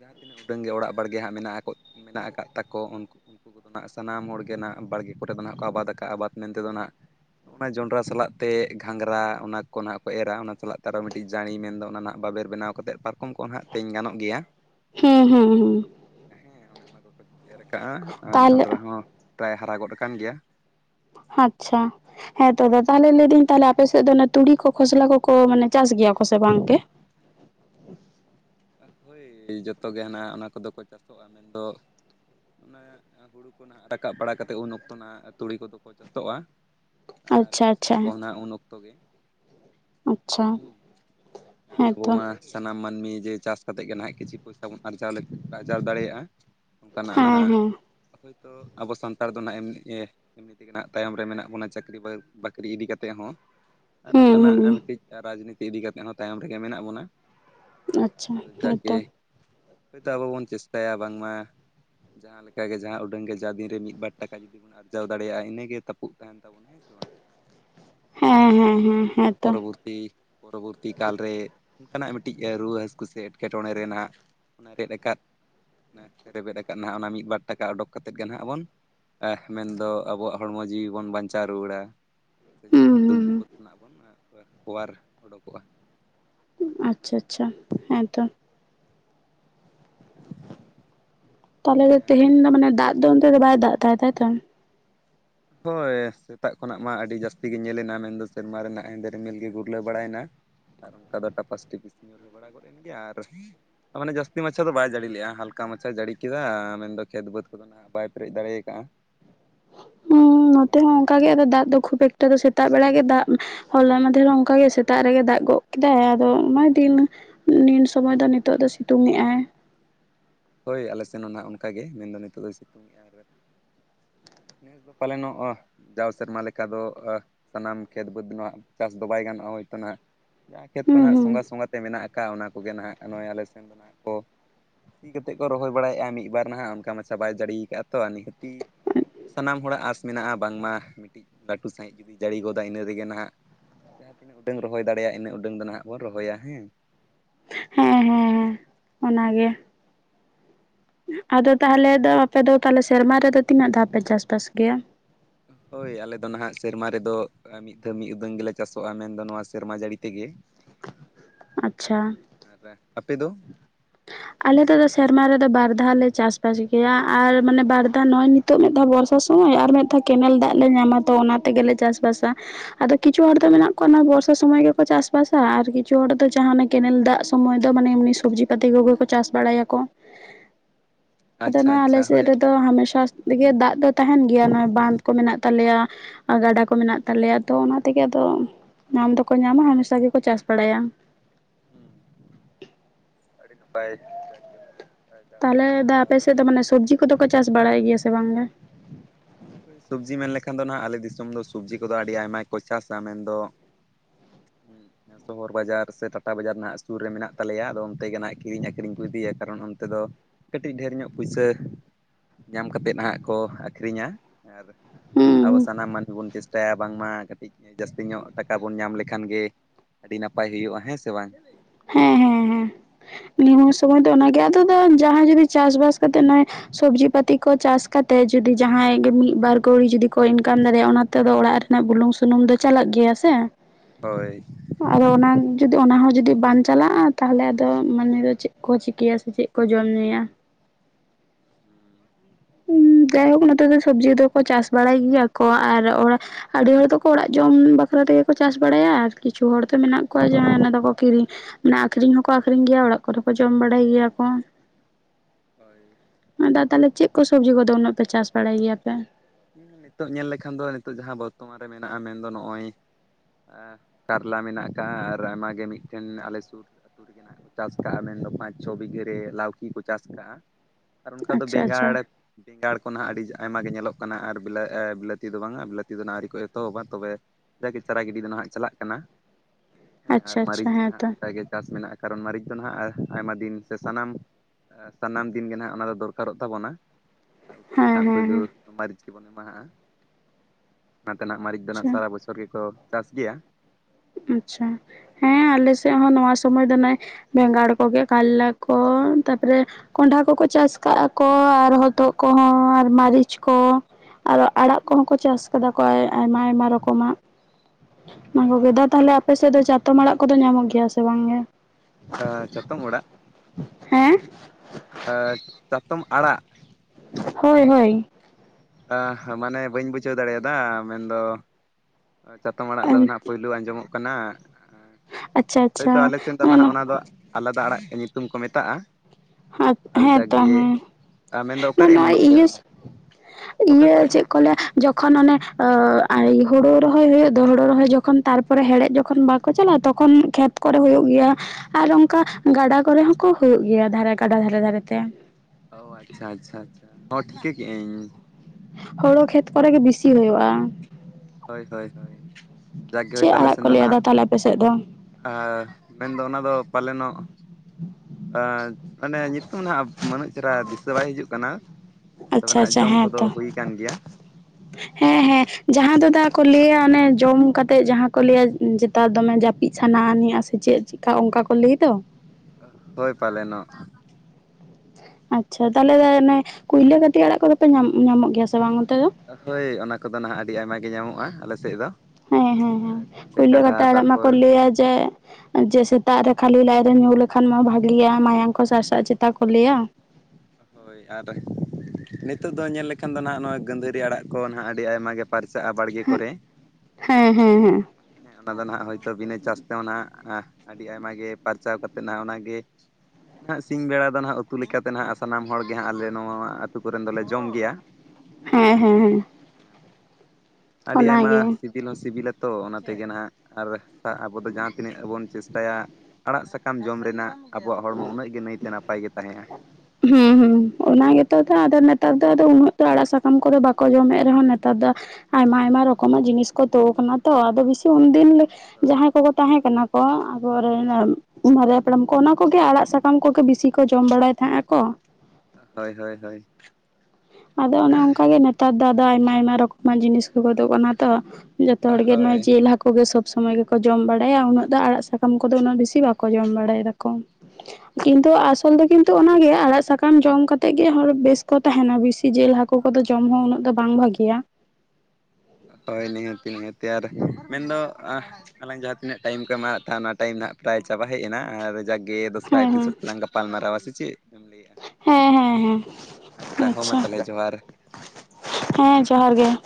ᱡᱟᱦᱟᱸ ᱛᱤᱱᱟᱹᱜ ᱩᱰᱟᱹᱝ ᱜᱮ ᱚᱲᱟᱜ ᱵᱟᱲᱜᱮ ᱦᱟᱸᱜ ᱢᱮᱱᱟᱜ ᱢᱮᱱᱟᱜ ᱟᱠᱟᱫ ᱛᱟᱠᱚ ᱩᱱᱠᱩ ᱩᱱᱠᱩ ᱠᱚᱫᱚ ᱱᱟᱜ ᱥᱟᱱᱟᱢ ᱦᱚᱲᱜᱮ ᱱᱟᱜ ᱦᱚᱲᱜᱮ ᱠᱚᱨᱮ ᱫᱚ ᱦᱟᱸᱜ ᱠᱚ ᱟᱵᱟᱫ ᱟᱠᱟᱜᱼᱟ ᱵᱟᱫ ᱢᱮᱱᱛᱮᱫᱚ ᱟᱸᱱᱟᱜ ᱚᱱᱟ ᱡᱚᱸᱰᱨᱟ ᱥᱟᱞᱟᱜ ᱛᱮ ᱜᱷᱟᱸᱜᱽᱨᱟ ᱚᱱᱟ ᱠᱚ ᱚᱱᱟ ᱠᱚ ᱮᱨᱟ ᱚᱱᱟ ᱥᱟᱞᱟᱜ ᱛᱮ ᱟᱨᱚ ᱢᱤᱫ ᱠᱟᱹᱴᱤᱡ ᱡᱟᱹᱲᱤ ᱢᱮᱱᱫᱚ ᱚᱱᱟ ᱱᱟᱦᱟᱜ ᱵᱟᱵᱮᱨ ᱵᱮᱱᱟᱣᱛᱮᱫ ᱯᱟᱨᱠᱚᱢ ᱠᱚ ᱦᱟᱸᱜ ᱛᱮᱧ ᱜᱟᱱᱚᱜ ᱜᱮᱭᱟ᱾ ᱦᱮᱸ ᱦᱮᱸ ᱦᱮᱸ᱾ ᱦᱮᱸ ᱚᱱᱮ ᱚᱱᱟ ᱠᱚᱠᱚ ᱮᱨ ᱠᱟᱜᱼᱟ ᱟᱨ ᱛᱟᱦᱚᱞᱮ ᱡᱚᱸᱰᱨᱟ ᱦᱚᱸ ᱯᱨᱟᱭ ᱦᱟᱨᱟ ᱜᱚᱫ ᱟᱠᱟᱱ ᱜᱮᱭᱟ᱾ ᱟᱪᱪᱷᱟ ᱦᱮᱸᱛᱚ ᱫᱟ ᱛᱟᱦᱚᱞᱮ ᱞᱟᱹᱭᱫᱟᱹᱧ ᱛᱟᱦᱚᱞᱮ ᱟᱯᱮᱥᱮᱫ ᱫᱚ ᱚᱱᱟ ᱛᱩᱲᱤ ᱠᱚ ᱠᱷᱚᱥᱞᱟ ᱠᱚᱠᱚ ᱢᱟᱱᱮ, ᱪᱟᱥ ᱜᱮᱭᱟ ᱠᱚ ᱥᱮ ᱵᱟᱝ ᱜᱮ? ᱦᱳᱭ ᱡᱚᱛᱚᱜᱮ ᱦᱟᱸᱜ ᱚᱱᱟ ᱠᱚᱫᱚ ᱠᱚ ᱪᱟᱥᱚᱜᱼᱟ ᱢᱮᱱᱫᱚ ᱚᱱᱟ ᱦᱩᱲᱩ ᱠᱚ ᱱᱟᱜ ᱨᱟᱠᱟᱵ ᱵᱟᱲᱟ ᱠᱟᱛᱮᱫ ᱩᱱ ᱚᱠᱛᱚ ᱱᱟᱜ ᱛᱩᱲᱤ ᱠᱚᱫᱚ ᱠᱚ ᱪᱟᱥᱚᱜᱼᱟ᱾ ᱟᱨ ᱟᱪᱪᱷᱟ ᱠᱷᱚᱥᱞᱟ ᱟᱪᱪᱷᱟ ᱠᱚᱦᱚᱸ ᱦᱟᱸᱜ ᱩᱱ ᱚᱠᱛᱚ ᱜᱮ᱾ ᱟᱪᱪᱷᱟ ᱦᱩᱸ, ᱟᱨ ᱟᱵᱚ ᱦᱮᱸᱛᱚ ᱢᱟ ᱥᱟᱱᱟᱢ ᱢᱟᱱᱢᱤ ᱡᱮ, ᱪᱟᱥ ᱠᱟᱛᱮᱫ ᱜᱮ ᱱᱟᱦᱟᱜ ᱠᱤᱪᱷᱩ ᱯᱚᱭᱥᱟ ᱵᱚᱱ ᱟᱨᱡᱟᱣ ᱟᱨᱡᱟᱣ ᱫᱟᱲᱮᱭᱟᱜᱼᱟ ᱚᱱᱠᱟᱱᱟᱜ ᱦᱮᱸ ᱱᱟᱦᱟᱜ, ᱦᱮᱸ ᱦᱳᱭᱛᱳ ᱟᱵᱚ ᱥᱟᱱᱛᱟᱲ ᱫᱚ ᱦᱟᱜ ᱮᱢᱱᱤ ᱮ ᱮᱢᱱᱤ ᱛᱮᱜᱮ ᱱᱟᱜ ᱛᱟᱭᱚᱢ ᱨᱮ ᱢᱮᱱᱟᱜ ᱵᱚᱱᱟ ᱪᱟᱹᱠᱨᱤ ᱵᱟᱹᱠᱨᱤ ᱤᱫᱤ ᱠᱟᱛᱮᱫ ᱦᱚᱸ᱾ ᱟᱨ ᱦᱩᱸ ᱚᱱᱠᱟᱱᱟᱜ ᱦᱩᱸ ᱢᱤᱫᱴᱤᱡ ᱨᱟᱡᱽᱱᱤᱛᱤ ᱤᱫᱤ ᱠᱟᱛᱮᱫ ᱦᱚᱸ ᱛᱟᱭᱚᱢ ᱨᱮᱜᱮ ᱢᱮᱱᱟᱜ ᱵᱚᱱᱟ᱾ [unintelligible] ᱟᱫᱚ ᱡᱟᱜᱮ ᱦᱮᱸᱛᱚ ᱦᱳᱭᱛᱚ ᱟᱵᱚ ᱵᱚᱱ ᱪᱮᱥᱴᱟᱭᱟ ᱵᱟᱝᱢᱟ ᱡᱟᱦᱟᱸ ᱞᱮᱠᱟᱜᱮ ᱡᱟᱦᱟᱸ ᱩᱰᱟᱹᱝ ᱜᱮ ᱡᱟ ᱫᱤᱱ ᱨᱮ ᱢᱤᱫ ᱵᱟᱨ ᱴᱟᱠᱟ ᱡᱩᱫᱤ ᱵᱚᱱ ᱟᱨᱡᱟᱣ ᱫᱟᱲᱮᱭᱟᱜᱼᱟ ᱤᱱᱟᱹᱜᱮ ᱛᱟᱹᱯᱩᱜ ᱛᱟᱦᱮᱱ ᱛᱟᱵᱚᱱ ᱦᱮᱸ᱾ ᱥᱮ ᱵᱟᱝ? ᱦᱮᱸ ᱦᱮᱸ ᱦᱮᱸ ᱢᱮᱱᱫᱚ ᱦᱮᱸᱛᱚ ᱯᱚᱨᱚᱵᱚᱨᱛᱤ ᱯᱚᱨᱚᱵᱚᱨᱛᱤ ᱠᱟᱞᱨᱮ ᱚᱱᱠᱟᱱᱟᱜ ᱢᱤᱫᱴᱤᱡ ᱨᱩᱣᱟᱹ ᱦᱟᱹᱥᱩ ᱾ ᱚᱥᱮ ᱮᱴᱠᱮᱴᱚᱬᱮ ᱨᱮᱱᱟᱜ ᱚᱱᱟ ᱨᱮᱫ ᱟᱠᱟᱫ, ᱨᱮᱵᱮᱫ ᱟᱠᱟᱟᱜ ᱱᱟᱜ ᱚᱱᱟ ᱢᱤᱫ ᱵᱟᱨ ᱴᱟᱠᱟ ᱩᱰᱳᱚᱠ ᱠᱟᱛᱮᱫ ᱜᱮ ᱱᱟᱦᱜ ᱵᱚᱱᱼᱼ ᱢᱮᱱᱫᱚ ᱟᱵᱚᱣᱟᱜ ᱦᱚᱲᱢᱚ ᱡᱤᱣᱤ ᱵᱚᱱ ᱵᱟᱧᱪᱟᱣ ᱨᱩᱣᱟᱹᱲᱟ ᱾ ᱦᱩᱸ ᱫᱩᱠ ᱦᱩᱸ ᱵᱤᱯᱚᱫ ᱨᱮᱱᱟᱜ ᱵᱚᱱ ᱚᱣᱟᱨ [inaudible] ᱟᱪᱪᱷᱟ ᱟᱪᱪᱷᱟ ᱦᱮᱸ ᱛᱚ ᱾ ᱛᱟᱦᱚᱞᱮ ᱫᱚ ᱛᱮᱦᱮᱧ ᱫᱚ ᱢᱟᱱᱮ ᱫᱟᱜ ᱫᱚ ᱚᱱᱛᱮ ᱫᱚ ᱵᱟᱭ ᱫᱟᱜ ᱛᱟᱭᱟ ᱛᱟᱭᱛᱚ ᱾ ᱦᱳᱭ ᱥᱮᱛᱟᱜ ᱠᱷᱚᱱᱟᱜ ᱢᱟ ᱟᱹᱰᱤ ᱡᱟᱹᱥᱛᱤ ᱜᱮ ᱧᱮᱞᱮᱱᱟ ᱢᱮᱱᱫᱚ ᱥᱮᱨᱢᱟ ᱨᱮᱱᱟᱜ ᱦᱮᱸᱫᱮ ᱨᱤᱢᱤᱞ ᱜᱮ ᱜᱩᱨᱞᱟᱹᱣ ᱵᱟᱲᱟᱭᱮᱱᱟ ᱾ ᱟᱨ ᱚᱱᱠᱟ ᱫᱚ ᱴᱟᱯᱟᱥᱴᱤᱤᱯᱤᱥ ᱧᱩᱨᱦᱟᱹ ᱵᱟᱲᱟ ᱜᱚᱫ ᱮᱱ ᱜᱮᱭᱟ ᱟᱨ, ᱢᱟᱱᱮ ᱡᱟᱹᱥᱛᱤ ᱢᱟᱪᱷᱟ ᱫᱚ ᱵᱟᱭ ᱡᱟᱹᱲᱤ ᱞᱮᱼᱟ ᱦᱟᱞᱠᱟ ᱢᱟᱪᱷᱟ ᱡᱟᱹᱲᱤ ᱠᱮᱫᱟ ᱢᱮᱱᱫᱚ ᱠᱷᱮᱛ ᱵᱟᱹᱫᱽ ᱠᱚᱫᱚᱼᱼ ᱵᱟᱭ ᱯᱮᱨᱮᱡ ᱫᱟᱲᱮ ᱟᱠᱟᱫᱼᱟ ᱾ ᱦᱩᱸ ᱱᱚᱛᱮ ᱦᱚᱸ ᱚᱱᱠᱟᱜ ᱜᱮ ᱦᱳᱭᱛᱳ ᱫᱟᱜ ᱫᱚ ᱠᱷᱩᱵ ᱮᱠᱴᱟ ᱫᱚ ᱥᱮᱛᱟᱜ ᱵᱮᱲᱟ ᱜᱮ ᱫᱟᱜ, ᱦᱚᱞᱟ ᱢᱫᱷᱮᱨ ᱨᱮ ᱚᱱᱠᱟᱟᱜ ᱜᱮ ᱥᱮᱛᱟᱜ ᱨᱮᱜᱮ ᱫᱟᱜ ᱜᱚᱫ ᱠᱮᱫᱟᱭ ᱟᱫᱚ ᱚᱱᱟ ᱫᱤᱱᱼᱼ ᱱᱤᱱ ᱥᱩᱢᱟᱹᱭ ᱫᱚ ᱱᱤᱛᱚᱜ ᱫᱚ ᱥᱤᱛᱩᱝ ᱮᱜ ᱟᱭ ᱾ ᱦᱳᱭ ᱟᱞᱮ ᱥᱮᱱ ᱦᱚᱸ ᱦᱟᱜ ᱚᱱᱠᱟᱜᱮ ᱢᱮᱱᱫᱚ ᱱᱤᱛᱚᱜ ᱫᱚᱭ ᱥᱤᱛᱩᱝ ᱮᱼᱟ ᱟᱨ, [unintelligible] ᱯᱟᱞᱮᱱᱚᱜ-ᱚ, ᱡᱟᱣ ᱥᱮᱨᱢᱟ ᱞᱮᱠᱟ ᱫᱚ ᱥᱟᱱᱟᱢ ᱠᱷᱮᱛ ᱵᱟᱹᱫᱽ ᱨᱮᱱᱟᱜ ᱪᱟᱥ ᱫᱚ ᱵᱟᱭ ᱜᱟᱱᱚᱜᱼᱟ ᱦᱳᱭᱛᱳᱱᱟᱜ! ᱡᱟᱦᱟᱸ ᱠᱷᱮᱛᱠᱚ ᱦᱩᱸ ᱱᱟᱦᱟᱜ ᱦᱩᱸ ᱥᱚᱸᱜᱟ ᱥᱚᱸᱜᱟᱛᱮ ᱢᱮᱱᱟᱜ ᱟᱠᱟᱫ ᱚᱱᱟᱠᱜᱮ ᱱᱟᱦᱟᱜ ᱱᱚᱜᱼᱚᱭ ᱟᱞᱮᱥᱱ ᱫᱚ ᱱᱟᱦᱟᱜ ᱠᱚᱼᱼ ᱥᱤ ᱠᱟᱛᱮᱫ ᱠᱚ ᱨᱚᱦᱚᱭ ᱵᱟᱲᱟᱭᱮᱫᱼᱟ ᱢᱤᱫ ᱵᱟᱨ ᱱᱟᱦᱟᱜ ᱚᱱᱠᱟ ᱢᱟᱪᱷᱟ ᱵᱟᱭ ᱡᱟᱲᱤᱭᱟ ᱟᱠᱟᱫᱼᱟ ᱾ ᱱᱤᱦᱟᱹ ᱥᱟᱱᱟᱢ ᱦᱚᱲᱟᱜ ᱟᱥ [inaudible] ᱢᱮᱱᱟᱜᱼᱟ ᱵᱟᱝᱢᱟ ᱢᱤᱴᱤᱡ ᱞᱟᱹᱴᱩ ᱥᱟᱺᱦᱤᱡ ᱡᱩᱫᱤ ᱡᱟᱹᱲᱤ ᱜᱚᱫᱟ ᱤᱱᱟᱹ ᱨᱮᱜᱮ ᱱᱟᱦᱟᱜ, ᱡᱟᱦᱟᱸ ᱛᱤᱱᱟᱹᱜ ᱩᱰᱟᱹᱝ ᱨᱚᱦᱚᱭ ᱫᱟᱲᱭᱟᱜ ᱤᱱᱟᱹᱜ ᱩᱰᱟᱹᱝ ᱫᱚ ᱱᱟᱦ ᱵᱚᱱ ᱨᱚᱭᱟ ᱦᱮᱸ ᱾ ᱦᱮᱸ ᱦᱮᱸ ᱦᱮᱸ ᱚᱱᱟᱜᱮ ᱾ ᱟᱫᱚ ᱛᱟᱦᱚᱞᱮ ᱫᱚ ᱟᱯᱮ ᱫᱚ ᱛᱟᱦᱚᱞᱮ ᱥᱮᱨᱢᱟ ᱨᱮᱫᱚ ᱛᱤᱱᱟᱹᱜ ᱫᱷᱟᱣ ᱯᱮ ᱪᱟᱥᱵᱟᱥ ᱜᱮᱭᱟ? ᱦᱳᱭ ᱟᱞᱮᱫᱚ ᱱᱟᱦᱟᱜ ᱥᱮᱨᱢᱟ ᱨᱮᱫᱚ, ᱢᱤᱫ ᱫᱷᱟᱣ ᱢᱤᱫ ᱩᱫᱟᱹᱢ ᱜᱮᱞᱮ ᱪᱟᱥᱚᱜᱼᱟ ᱢᱮᱱᱫᱚ ᱱᱚᱣᱟ ᱥᱮᱨᱢᱟ ᱡᱟᱹᱲᱤ ᱛᱮᱜᱮ ᱾ ᱟᱪᱪᱷᱟ ᱾ ᱟᱨ ᱟᱯᱮ ᱫᱚ? ᱟᱞᱮᱛᱚ ᱥᱮᱨᱢᱟ ᱨᱮᱫᱚ ᱵᱟᱨ ᱫᱷᱟᱣ ᱞᱮ ᱪᱟᱥ ᱵᱟᱥ ᱜᱮᱭᱟ ᱟᱨ ᱢᱟᱱᱮ ᱵᱟᱨ ᱫᱷᱟᱣ ᱱᱚᱜᱚᱭ ᱱᱤᱛᱼᱼ ᱱᱤᱛᱚᱜ ᱢᱤᱫ ᱫᱷᱟᱣ ᱵᱚᱨᱥᱟ ᱥᱚᱢᱚᱭ ᱟᱨ ᱢᱤᱫ ᱫᱷᱟᱣ ᱠᱮᱱᱮᱞ ᱫᱟᱜ ᱞᱮ ᱧᱟᱢᱟ ᱛᱚ ᱚᱱᱟ ᱛᱮᱜᱮᱞᱮ ᱪᱟᱥ ᱵᱟᱥᱼᱟ ᱾ ᱟᱫᱚ ᱠᱤᱪᱷᱩ ᱦᱚᱲ ᱫᱚ ᱢᱮᱱᱟᱜ ᱠᱚᱣᱟ ᱵᱚᱨᱥᱟ ᱥᱩᱚᱢᱚᱭ ᱜᱮᱠᱚ ᱪᱟᱥᱵᱟᱥᱟ ᱟᱨ ᱠᱤᱪᱷᱩ ᱦᱚᱲ ᱫᱚ ᱡᱟᱦᱱᱟᱜ ᱠᱮᱱᱮᱞ ᱫᱟᱜ ᱥᱚᱢᱚᱭ ᱫᱚ ᱢᱟᱱᱮ ᱮᱢ ᱩᱱᱤ ᱥᱚᱵᱽᱡᱤ ᱯᱟᱟᱹᱛᱤ ᱠᱚᱜᱮ ᱠᱚᱼᱼ ᱪᱟᱥ ᱵᱟᱲᱟᱭᱟᱠᱚ ᱟᱫᱚ ᱟᱪᱪᱷᱟ ᱱᱚᱣᱟ ᱟᱪᱪᱷᱟ ᱟᱞᱮ ᱦᱳᱭ ᱥᱮᱫ ᱨᱮ ᱫᱚᱼᱼ ᱛᱚ ᱦᱟᱢᱮᱥᱟ ᱛᱮᱜᱮ ᱫᱟᱜ ᱫᱚ ᱛᱟᱦᱮᱱ ᱜᱮᱭᱟ ᱱᱚᱜᱚᱭ ᱵᱟᱸᱫᱷ ᱠᱚ ᱢᱮᱱᱟᱜ ᱛᱟᱞᱮᱭᱟ᱾ ᱜᱟᱰᱟ ᱠᱚ ᱢᱮᱱᱟᱜ ᱛᱟᱞᱮᱭᱟ ᱟᱫᱚ ᱚᱱᱟ ᱛᱮᱜᱮ ᱟᱫᱚ ᱧᱟᱢ ᱫᱚᱠᱚ ᱧᱟᱢᱟ ᱦᱟᱢᱮᱥᱟ ᱜᱮᱠᱚ ᱪᱟᱥ ᱵᱟᱲᱟᱭᱟ ᱾ [unintelligible] ᱟᱹᱰᱤ ᱱᱟᱯᱟᱭ ᱡᱟᱠ ᱜᱮ᱾ ᱛᱟᱦᱚᱞᱮ ᱱᱟᱜ ᱫᱟ ᱵᱟᱨ ᱟᱯᱮᱥᱮᱫ ᱫᱚ ᱢᱟᱱᱮ ᱥᱚᱵᱽᱡᱤ ᱠᱚᱫᱚ ᱠᱚ ᱪᱟᱥ ᱵᱟᱲᱟᱭ ᱜᱮᱭᱟ ᱥᱮ ᱵᱟᱝ ᱫᱟ? ᱥᱚᱵᱽᱡᱤ ᱢᱮᱱ ᱞᱮᱠᱷᱟᱱ ᱫᱚ ᱦᱟᱜ ᱟᱞᱮ ᱫᱤᱥᱚᱢ ᱫᱚ ᱥᱚᱵᱽᱡᱤ ᱠᱚᱫᱚ ᱟᱹᱰᱤ ᱟᱭᱢᱟ ᱠᱚ ᱪᱟᱥᱟ ᱢᱮᱱᱫᱚ [unintelligible] [unintelligible] ᱥᱚᱦᱚᱨ ᱵᱟᱡᱟᱨ ᱥᱮ ᱴᱟᱴᱟ ᱵᱟᱡᱟᱨ ᱱᱟᱜ ᱥᱩᱨ ᱨᱮ ᱢᱮᱱᱟᱜ ᱛᱟᱞᱮᱭᱟ ᱟᱫᱚ ᱚᱱᱛᱮ ᱜᱮ ᱱᱟᱜ ᱠᱤᱨᱤᱧ ᱟᱹᱠᱷᱨᱤᱧ ᱠᱚ ᱤᱫᱤᱭᱟ ᱠᱟᱨᱚᱱ ᱚᱱᱛᱮ ᱫᱚ ᱠᱟᱹᱴᱤᱡ ᱰᱷᱮᱨ ᱧᱚᱜ ᱯᱩᱭᱥᱟᱹ ᱧᱟᱢ ᱠᱟᱛᱮᱫ ᱦᱟᱸᱜ ᱠᱚ ᱟᱹᱠᱷᱨᱤᱧᱟ ᱾ ᱟᱨ ᱦᱩᱸ ᱟᱵᱚ ᱥᱟᱱᱟᱢ ᱢᱟᱹᱱᱢᱤ ᱵᱚᱱ ᱪᱮᱥᱴᱟᱭᱟ ᱵᱟᱝᱢᱟ ᱠᱟᱹᱴᱤᱡ ᱡᱟᱹᱥᱛᱤ ᱧᱚᱜ ᱴᱟᱠᱟ ᱵᱚᱱ ᱧᱟᱢ ᱞᱮᱠᱷᱟᱱ ᱜᱮ ᱟᱹᱰᱤ ᱱᱟᱯᱟᱭ ᱦᱩᱭᱩᱜ-ᱟ᱾ ᱦᱮᱸᱥᱮ ᱵᱟᱝ ᱾ ᱦᱮᱸ ᱦᱮᱸ ᱦᱮᱸ ᱱᱩᱣᱟᱹ ᱥᱚᱢᱚᱭ ᱫᱚ ᱚᱱᱟᱜᱮ ᱟᱫᱚ ᱫᱟ ᱡᱟᱦᱟᱸᱭ ᱡᱩᱫᱤ ᱪᱟᱥ ᱵᱟᱥ ᱠᱟᱛᱮᱜ ᱱᱚᱜ-ᱚᱭ ᱥᱚᱵᱽᱡᱤ ᱯᱟᱹᱛᱤ ᱠᱚ ᱪᱟᱥ ᱠᱟ ᱛᱮ ᱡᱩᱫᱤ ᱡᱟᱦᱟᱸᱭ ᱜᱮ ᱢᱤᱫ ᱵᱟᱨ ᱠᱟᱹᱣᱲᱤ ᱡᱩᱫᱤ ᱠᱚ ᱤᱱᱠᱟᱢ ᱫᱟᱲᱮᱭᱟᱜ-ᱟ᱾ ᱚᱱᱟ ᱛᱮ ᱚᱲᱟᱜ ᱨᱮᱱᱟᱜ ᱵᱩᱞᱩᱝ ᱥᱩᱱᱩᱢ ᱫᱚ ᱪᱟᱞᱟᱜ ᱜᱮᱭᱟ ᱥᱮ ᱾ ᱦᱳᱭ᱾ ᱟᱫᱚ ᱚᱱᱟ ᱡᱩᱫᱤ ᱚᱱᱟ ᱦᱚᱸ ᱡᱩᱫᱤ ᱵᱟᱝ ᱪᱟᱞᱟᱜ-ᱟ᱾ ᱛᱟᱦᱚᱞᱮ ᱟᱫᱚ ᱢᱟᱱᱮ ᱫᱚ ᱪᱮᱜ ᱠᱚ ᱪᱤᱠᱟᱹᱭᱟ ᱥᱮ ᱪᱮᱜ ᱠᱚ ᱡᱚᱢ ᱧᱩᱭᱟ ᱾ ᱦᱩᱸ᱾ ᱩᱻ ᱡᱟᱭᱦᱳᱠ ᱱᱚᱛᱮ ᱫᱚ ᱥᱚᱵᱽᱡᱤ ᱫᱚᱠᱚ ᱪᱟᱥ ᱵᱟᱲᱟᱭ ᱜᱮᱭᱟ ᱠᱚ ᱟᱨ ᱚᱲᱟᱜ ᱟᱹᱰᱤ ᱦᱚᱲ ᱫᱚᱠᱚ ᱚᱲᱟᱜ ᱡᱚᱢ ᱵᱟᱠᱷᱨᱟ ᱛᱮᱜᱮ ᱠᱚ ᱪᱟᱥ ᱵᱟᱲᱟᱭᱟ, ᱟᱨ ᱠᱤᱪᱷᱩ ᱦᱚᱲ ᱫᱚ ᱢᱮᱱᱟᱜ ᱠᱚᱣᱟ ᱡᱟᱦᱟᱸᱭ ᱫᱚᱠᱚ ᱠᱤᱨᱤᱧ ᱢᱟᱱᱮ ᱟᱠᱷᱨᱤᱧ ᱦᱚᱸᱠᱚ ᱟᱠᱷᱨᱤᱧ ᱜᱮᱭᱟ ᱚᱲᱟᱜ ᱠᱚᱨᱮ ᱠᱚ ᱡᱚᱢ ᱵᱟᱲᱟᱭ ᱜᱮᱭᱟ ᱠᱚ ᱾ ᱦᱳᱭ᱾ ᱟᱫᱚ ᱛᱟᱦᱞᱮ ᱪᱮᱫ ᱠᱚ ᱥᱚᱵᱽᱡᱤ ᱠᱚᱫᱚ, ᱩᱱᱟᱹᱜ ᱯᱮ ᱪᱟᱥ ᱵᱟᱲᱟᱭ ᱜᱮᱭᱟ ᱯᱮ? ᱱᱤᱛᱚᱜ ᱧᱮᱞ ᱞᱮᱠᱷᱟᱱ ᱫᱚ ᱱᱤᱛᱚᱜ ᱡᱟᱦᱟᱸ ᱵᱚᱨᱛᱚᱢᱟᱱ ᱨᱮ ᱢᱮᱱᱟᱜ-ᱟ᱾ ᱢᱮᱱᱫᱚ ᱱᱚᱜ-ᱚᱭ ᱮ ᱠᱟᱨᱞᱟ ᱢᱮᱱᱟᱜ ᱟᱠᱟᱫ-ᱟ᱾ ᱟᱨ ᱟᱭᱢᱟ ᱜᱮ ᱢᱤᱴᱮᱱ ᱟᱞᱮ ᱥᱩᱨ ᱟᱹᱛᱩ ᱠᱚ ᱪᱟᱥ ᱠᱟᱜ-ᱟ᱾ ᱢᱮᱱᱫᱚ ᱯᱟᱸᱪ ᱪᱷᱚ ᱵᱤᱜᱷᱟᱹ ᱨᱮ ᱞᱟᱹᱣᱠᱤ ᱠᱚ ᱪᱟᱥ ᱠᱟᱜ-ᱟ ᱾ ᱟᱨ ᱚᱱᱠᱟ ᱫᱚ ᱟᱪᱪᱷᱟ ᱟᱪᱪᱷᱟ ᱵᱮᱸᱜᱟᱲ ᱵᱮᱸᱜᱟᱲ ᱠᱚ ᱱᱟᱦᱟᱜ ᱟᱹᱰᱤ ᱟᱭᱢᱟ ᱜᱮ ᱧᱮᱞᱚᱜ ᱠᱟᱱᱟ᱾ ᱟᱨ ᱵᱤᱞᱟᱹ ᱵᱤᱞᱟᱹᱛᱤ ᱫᱚ ᱵᱟᱝᱟ ᱵᱤᱞᱟᱹᱛᱤ ᱫᱚ ᱟᱹᱣᱨᱤ ᱠᱚ ᱮᱛᱚᱦᱚᱵᱟ ᱛᱚᱵᱮ ᱡᱟᱜᱮ ᱪᱟᱨᱟ ᱜᱤᱰᱤ ᱫᱚ ᱱᱟᱜ ᱪᱟᱞᱟᱜ ᱠᱟᱱᱟ ᱾ [inaudible] ᱦᱮᱸ ᱟᱨ ᱟᱪᱪᱷᱟ ᱢᱟᱹᱨᱤᱪ ᱱᱟᱦᱜ ᱦᱮᱸᱛᱚ ᱚᱱᱠᱟᱜᱮ ᱪᱟᱥ ᱢᱮᱱᱟᱜ-ᱟ᱾ ᱠᱟᱨᱚᱱ ᱢᱟᱹᱨᱤᱪ ᱫᱚ ᱦᱟᱜ ᱟᱭᱢᱟ ᱫᱤᱱ ᱥᱮ ᱥᱟᱱᱟᱢ ᱮᱸᱥᱟᱱᱟᱢ ᱫᱤᱱ ᱜᱮ ᱱᱟᱦᱟᱜ ᱚᱱᱟ ᱫᱚ ᱫᱚᱨᱠᱟᱨᱚᱜ ᱛᱟᱵᱚᱱᱟ ᱾ ᱟᱨ ᱩᱛᱩ ᱨᱮ ᱦᱮᱸ ᱱᱟᱜ ᱦᱮᱸ ᱯᱳᱭᱞᱳ ᱢᱟᱹᱨᱤᱪ ᱜᱮᱵᱚᱱ ᱮᱢᱟᱦᱟᱜ-ᱟ᱾ ᱚᱱᱟᱛᱮ ᱱᱟᱜ ᱢᱟᱹᱨᱤᱪ ᱫᱚ ᱦᱟᱜ ᱦᱮᱸ ᱥᱟᱨᱟ ᱵᱚᱪᱷᱚᱨ ᱵᱚᱪᱚᱨ ᱜᱮᱠᱚ ᱪᱟᱥ ᱜᱮᱭᱟ ᱾ ᱟᱪᱪᱷᱟ ᱦᱮᱸ ᱟᱞᱮᱥᱮᱫ ᱦᱚᱸ ᱱᱚᱣᱟ ᱥᱩᱚᱢᱚᱭ ᱫᱚ ᱱᱚᱜ-ᱚᱭ ᱵᱮᱸᱜᱟᱲ ᱠᱚᱜᱮ ᱠᱟᱞᱞᱟ ᱠᱚ ᱛᱟᱯᱚᱨᱮ ᱠᱚᱸᱰᱷᱟ ᱠᱚᱠᱚ ᱪᱟᱥ ᱠᱟᱜ-ᱟ ᱾ᱠᱚ ᱟᱨ ᱦᱚᱛᱚᱫ ᱠᱚᱦᱚᱸ ᱟᱨ ᱢᱟᱹᱨᱤᱪ ᱠᱚ ᱾ ᱟᱨᱚ ᱟᱲᱟᱜ ᱠᱚᱦᱚᱸ ᱠᱚ ᱪᱟᱥ ᱠᱟᱫᱟ ᱠᱚ ᱟᱭᱢᱟ ᱟᱭᱢᱟ ᱨᱚᱠᱚᱢᱟᱜ ᱠᱚ ᱾ ᱮᱫᱟ ᱛᱟᱦᱚᱞᱮ ᱟᱯᱮ ᱥᱮᱫ ᱫᱚ ᱪᱟᱛᱚᱢ ᱟᱲᱟᱜ ᱠᱚᱫᱚ ᱧᱟᱢᱚᱜ, ᱜᱮᱭᱟ ᱥᱮ ᱵᱟᱝᱜᱮ? ᱮᱸ ᱪᱟᱛᱚᱢ ᱚᱲᱟᱜ ᱦᱮᱸ᱾ ᱮᱸ ᱪᱟᱛᱚᱢ ᱟᱲᱟᱜ ᱦᱳᱭ ᱦᱳᱭ᱾ ᱟᱸᱦ ᱢᱟᱱᱮ ᱵᱟᱹᱧ ᱵᱩᱡᱷᱟᱹᱣ ᱫᱟᱲᱮᱭᱟᱫᱟ ᱢᱮᱱᱫᱚ ᱪᱟᱛᱚᱢ ᱟᱲᱟᱜ ᱫᱚ ᱦᱟᱜ ᱯᱳᱭᱞᱳ ᱟᱸᱡᱚᱢᱚᱜ ᱠᱟᱱᱟ᱾ ᱟᱪᱪᱷᱟ ᱟᱪᱪᱷᱟ ᱦᱳᱭᱛᱳ ᱟᱞᱮ ᱥᱮᱱ ᱫᱚ ᱱᱟᱦᱟᱜ ᱚᱱᱟ ᱫᱚ ᱟᱞᱟᱫᱟ ᱟᱲᱟᱜ ᱧᱩᱛᱩᱢ ᱠᱚ ᱢᱮᱛᱟᱜ-ᱟ ᱾ ᱦᱮᱸᱛᱚ ᱦᱮᱸ ᱢᱮᱱᱫᱚ ᱚᱠᱟᱨᱮ ᱱᱚᱜ-ᱚᱭ ᱚᱢᱚᱱᱚᱜ ᱛᱮ ᱤᱭᱟᱹ ᱚᱠᱟ ᱤᱭᱟᱹ ᱠᱚᱨᱮ ᱪᱮᱜ ᱠᱚ ᱞᱟᱹᱭᱟ ᱡᱚᱠᱷᱚᱱ ᱚᱱᱮ ᱦᱳᱲ ᱨᱚᱦᱚᱭ ᱦᱩᱭᱩᱜ ᱦᱳᱲᱳ ᱨᱚᱦᱚᱭ ᱡᱚᱠᱷᱚᱱ ᱛᱟᱨᱯᱚᱨᱮ, ᱦᱮᱲᱦᱮᱫ ᱡᱚᱠᱷᱚᱱ ᱵᱟᱠᱚ ᱪᱟᱞᱟᱜ-ᱟ᱾ ᱛᱚᱠᱷᱚᱱ ᱠᱷᱮᱛ ᱠᱚᱨᱮ ᱦᱳᱭᱳᱜ ᱜᱮᱭᱟ ᱾ ᱟᱨ ᱚᱝᱠᱟ ᱜᱟᱰᱟ ᱠᱚᱨᱮ ᱦᱚᱸᱠᱚ ᱦᱩᱭᱩᱜ ᱜᱮᱭᱟ, ᱫᱷᱟᱨᱮ ᱠᱟᱰᱟ ᱫᱷᱟᱨᱮ ᱫᱷᱟᱨᱮ ᱛᱮ ᱾ ᱚ ᱟᱪᱪᱷᱟ ᱟᱪᱪᱷᱟ ᱟᱪᱪᱷᱟ ᱦᱚᱸ ᱴᱷᱤᱠᱟᱹ ᱠᱮᱫ ᱟᱹᱧ ᱦᱳᱲᱳ ᱠᱷᱮᱛ ᱠᱚᱨᱮ ᱜᱮ ᱵᱤᱥᱤ ᱦᱩᱭᱩᱜᱼᱟ ᱾ ᱦᱳᱭ ᱦᱳᱭ ᱡᱟᱜᱜᱮ ᱪᱮᱫ [inaudible] ᱟᱲᱟᱜ ᱥᱮᱱ ᱠᱚ ᱫᱟ ᱱᱟᱸᱜ ᱞᱟᱹᱭᱫᱟ ᱛᱟᱦᱚᱞᱮ ᱟᱯᱮ ᱥᱮᱫ ᱫᱚ ᱟᱨ ᱢᱮᱱᱫᱚ ᱚᱱᱟ ᱫᱚ ᱯᱟᱞᱮᱱᱚᱜ ᱟ ᱢᱟᱱᱮ ᱧᱩᱛᱩᱢ ᱱᱟᱦᱟᱜ ᱢᱟᱹᱱᱟᱹᱜ ᱪᱮᱦᱨᱟ ᱫᱤᱥᱟᱹ ᱵᱟᱭ ᱦᱤᱡᱩᱜ ᱠᱟᱱᱟ ᱛᱚᱵᱮ ᱟᱪᱪᱷᱟ ᱱᱟᱦᱟᱜ ᱟᱪᱪᱷᱟ ᱡᱚᱢ ᱠᱚᱫᱚ ᱦᱮᱸᱛᱚ ᱦᱩᱭ ᱟᱠᱟᱱ ᱜᱮᱭᱟ ᱾ [unintelligible] ᱦᱮᱸ ᱦᱮᱸ ᱡᱟᱦᱟᱸ ᱫᱚ ᱫᱟ ᱠᱚ ᱞᱟᱹᱭᱟ ᱚᱱᱮ ᱡᱚᱢ ᱠᱟᱛᱮᱜ ᱡᱟᱦᱟᱸ ᱠᱚ ᱞᱟᱹᱭᱟ ᱡᱮᱛᱟᱨ ᱫᱚᱢᱮ ᱡᱟᱯ ᱪᱷᱟᱱᱟ ᱢᱤᱭᱟ ᱥᱮ ᱪᱮᱫ ᱪᱮᱫᱠᱟ ᱚᱱᱠᱟ ᱠᱚ ᱞᱟᱹᱭᱮᱫᱚ? ᱦᱳᱭ ᱯᱟᱞᱮᱱᱚᱜ ᱾ ᱟᱪᱪᱷᱟ ᱛᱟᱦᱞᱮ ᱚᱱᱮ ᱠᱩᱭᱞᱟᱹ ᱠᱟᱴᱤ ᱟᱲᱟᱜ ᱠᱚᱫᱚ ᱯᱮ ᱧᱟᱢ ᱧᱟᱢᱚᱜ ᱜᱮᱭᱟ ᱥᱮ ᱵᱟᱝ ᱚᱱᱛᱮ ᱫᱚ? ᱦᱳᱭ ᱚᱱᱟ ᱠᱚᱫᱚ ᱱᱟᱦᱟᱜ ᱟᱹᱰᱤ ᱟᱭᱢᱟ ᱜᱮ ᱧᱟᱢᱚᱜᱼᱟ ᱟᱞᱮ ᱥᱮᱫ ᱫᱚ ᱾ ᱦᱮᱸ ᱦᱮᱸ ᱦᱮᱸ ᱾ ᱠᱩᱭᱞᱟᱹ ᱠᱟᱴᱟ ᱟᱲᱟᱜ ᱢᱟᱠᱚ ᱞᱟᱹᱭᱟ ᱡᱮ ᱡᱮ ᱥᱮᱛᱟᱜ ᱨᱮ ᱠᱷᱟᱹᱞᱤ ᱞᱟᱡ ᱨᱮ ᱧᱩ ᱞᱮᱠᱷᱟᱱ ᱢᱟ ᱵᱷᱟᱜᱮ ᱜᱮᱭᱟ ᱢᱟᱭᱟᱢ ᱠᱚ ᱥᱟᱨᱥᱟᱜ ᱟ ᱪᱮ ᱛᱟ ᱠᱚ ᱞᱟᱹᱭᱟ ᱾ ᱦᱳᱭ ᱾ ᱦᱳᱭ ᱟᱨ ᱱᱤᱛᱚᱜ ᱫᱚ ᱧᱮᱞ ᱞᱮᱠᱷᱟᱱ ᱫᱚ ᱱᱟᱦᱟᱜ ᱱᱚᱣᱟ ᱜᱟᱹᱫᱟᱹᱨᱤ ᱟᱲᱟᱜ ᱠᱚ ᱱᱟᱦᱟᱜ ᱟᱹᱰᱤ ᱟᱭᱢᱟ ᱜᱮ ᱯᱟᱨᱪᱟᱜᱼᱟ ᱵᱟᱲᱜᱮ ᱠᱚᱨᱮ ᱾ ᱦᱮᱸ ᱦᱮᱸ ᱦᱮᱸ ᱾ ᱦᱮᱸ ᱚᱱᱟ ᱫᱚ ᱱᱟᱜ ᱦᱳᱭᱛᱳ ᱵᱤᱱᱟᱹ ᱪᱟᱥ ᱛᱮᱦᱚᱸ ᱱᱟᱦᱟᱜ ᱟᱹᱰᱤ ᱟᱭᱢᱟᱜᱮ ᱯᱟᱨᱪᱟᱣ ᱠᱟᱛᱮᱫ ᱦᱟᱜ ᱚᱱᱟᱜᱮ ᱱᱟᱜ ᱥᱤᱧ ᱵᱮᱲᱟ ᱫᱚ ᱱᱟᱦᱟᱜ ᱩᱛᱩ ᱞᱮᱠᱟᱛᱮ ᱱᱟᱜ ᱥᱟᱱᱟᱢ ᱦᱚᱲ ᱜᱮ ᱦᱟᱸᱜ ᱟᱞᱮ ᱱᱚᱣᱟ ᱟᱹᱛᱩ ᱠᱚᱨᱮᱱ ᱫᱚᱞᱮ ᱡᱚᱢ ᱜᱮᱭᱟ ᱾ ᱦᱮᱸ ᱦᱮᱸ ᱦᱮᱸ ᱾ ᱦᱮᱸ ᱟᱹᱰᱤ ᱟᱭᱢᱟ ᱥᱤᱵᱤᱞ ᱦᱚᱸ ᱥᱤᱵᱤᱞᱟᱛᱚ ᱚᱱᱟ ᱛᱮᱜᱮ ᱱᱟᱦᱟᱜ ᱟᱨ ᱟᱵᱚ ᱫᱚ ᱡᱟᱦᱟᱸ ᱛᱤᱱᱟᱹᱜ ᱵᱚᱱ ᱪᱮᱥᱴᱟᱭᱟ ᱟᱲᱟᱜ ᱥᱟᱠᱟᱢ ᱡᱚᱢ ᱨᱮᱱᱟᱜ ᱟᱵᱚᱣᱟᱜ ᱦᱚᱲᱢᱚ ᱩᱱᱟᱹᱜ ᱜᱮ ᱱᱟᱹᱭᱛᱮ ᱱᱟᱯᱟᱭ ᱜᱮ ᱛᱟᱦᱮᱸᱜᱼᱟ ᱾ [unintelligible] ᱦᱩᱸ ᱦᱩᱸ ᱚᱱᱟ ᱜᱮᱛᱚ ᱫᱟ ᱟᱫᱚ ᱱᱮᱛᱟᱨ ᱫᱚ ᱟᱫᱚ ᱩᱱᱟᱹ ᱛᱚ ᱟᱲᱟᱜ ᱥᱟᱠᱟᱢ ᱠᱚᱨᱮ ᱵᱟᱠᱚ ᱡᱚᱢᱮᱜ ᱨᱮᱦᱚᱸ ᱱᱮᱛᱟᱨ ᱫᱚ ᱟᱭᱢᱟ ᱟᱭᱢᱟ ᱨᱚᱠᱚᱢᱟᱜ ᱡᱤᱱᱤᱥ ᱠᱚ ᱛᱳᱜ ᱟᱠᱟᱱᱟ ᱛᱚ ᱟᱫᱚ ᱵᱮᱥᱤ ᱩᱱᱫᱤᱱ ᱦᱳᱭ ᱡᱟᱦᱟᱸᱭ ᱠᱚ ᱛᱟᱦᱮᱸᱠᱟᱱᱟ ᱠᱚ ᱟᱵᱚᱨᱮᱱ ᱢᱟᱨᱮ ᱦᱟᱯᱲᱟᱢ ᱠᱚ ᱚᱱᱟ ᱠᱚᱜᱮ ᱟᱲᱟᱜ ᱥᱟᱠᱟᱢ ᱠᱚᱜᱮ ᱵᱤᱥᱤ ᱠᱚ ᱡᱚᱢ ᱵᱟᱲᱟᱭ ᱛᱟᱦᱮᱸᱜᱼᱟ ᱠᱚ ᱾ ᱦᱳᱭ ᱦᱳᱭ ᱦᱳᱭ ᱾ ᱟᱫᱚ ᱚᱱᱮ ᱚᱱᱠᱟᱜᱮ ᱱᱮᱛᱟᱨ ᱫᱚ ᱫᱟ ᱟᱭᱢᱟ ᱟᱭᱢᱟ ᱨᱚᱠᱚᱢᱟᱱ ᱡᱤᱱᱤᱥ ᱠᱚ ᱛᱳᱜ ᱠᱟᱱᱟ ᱛᱚ ᱾ ᱡᱚᱛᱚ ᱦᱚᱲ ᱜᱮ ᱱᱚᱜᱼᱚᱭ ᱦᱳᱭ ᱡᱮᱞ ᱦᱟ ᱠᱚᱜᱮ ᱥᱚᱵᱽ ᱥᱚᱢᱚᱭ ᱜᱮᱠᱚ ᱡᱚᱢ ᱵᱟᱲᱟᱭᱟ ᱾ ᱩᱱᱟᱹᱜ ᱫᱚ ᱟᱲᱟᱜ ᱥᱟᱠᱟᱢ ᱠᱚᱫᱚ ᱩᱱᱟᱹᱜ ᱵᱤᱥᱤ ᱵᱟᱠᱚ ᱡᱚᱢ ᱵᱟᱲᱟᱭ ᱫᱟᱠᱚ ᱾ ᱠᱤᱱᱛᱩ ᱟᱥᱚᱞ ᱫᱚ ᱠᱤᱱᱛᱩ ᱚᱱᱟᱜᱮ ᱟᱲᱟᱜ ᱥᱟᱠᱟᱢ ᱡᱚᱢ ᱠᱟᱛᱮᱜ ᱜᱮ ᱦᱚᱲ ᱵᱮᱥ ᱠᱚ ᱛᱟᱦᱮᱱᱟ ᱵᱤᱥᱤ ᱾ ᱡᱤᱞ ᱦᱟᱹᱠᱩ ᱠᱚᱫᱚ ᱡᱚᱢ ᱦᱚᱸ ᱩᱱᱟᱹᱜ ᱫᱚ ᱵᱟᱝ ᱵᱷᱟᱹᱜᱮᱭᱟ ᱾ ᱦᱳᱭ ᱱᱤᱦᱟᱹᱛᱤ ᱱᱤᱦᱟᱹᱛᱤ ᱟᱨ ᱢᱮᱱᱫᱚ ᱟᱞᱟᱝ ᱡᱟᱦᱟᱸ ᱛᱤᱱᱟᱹᱜ ᱴᱟᱭᱤᱢ ᱠᱚ ᱮᱢᱟᱞᱟᱜ ᱛᱟᱦᱮᱸ ᱚᱱᱟ ᱴᱟᱭᱤᱢ ᱦᱟᱸᱜ ᱯᱨᱟᱭ ᱪᱟᱵᱟ ᱦᱮᱡ ᱮᱱᱟ ᱟᱨ ᱡᱟᱠ ᱜᱮ ᱫᱚᱥᱨᱟ ᱮᱯᱤᱥᱳᱰ ᱦᱮᱸ ᱞᱟᱝ ᱜᱟᱯᱟᱞ ᱢᱟᱨᱟᱣᱟ ᱥᱮ ᱪᱮᱫ ᱮᱢ ᱞᱟᱹᱭᱮᱜᱼᱟ? ᱦᱮᱸ ᱦᱮᱸ ᱦᱮᱸ ᱾ ᱦᱳ ᱢᱟ ᱟᱪᱪᱷᱟ ᱛᱟᱦᱚᱞᱮ ᱡᱚᱦᱟᱨ ᱾ ᱦᱮᱸ ᱡᱚᱦᱟᱨ ᱜᱮ ᱾